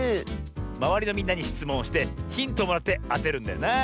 まわりのみんなにしつもんをしてヒントをもらってあてるんだよな。